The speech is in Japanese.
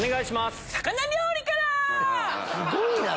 すごいな！